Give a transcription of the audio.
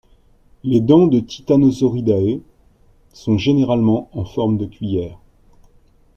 Les dents de Titanosauridae sont généralement en forme de cuillère.